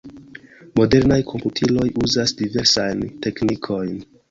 Modernaj komputiloj uzas diversajn teknikojn.